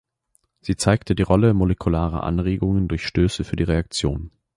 Sie zeigte die Rolle molekularer Anregungen durch Stöße für die Reaktion.